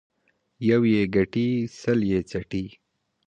يو يې گټي ، سل يې څټي.